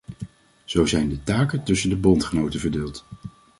Zo zijn de taken tussen de bondgenoten verdeeld.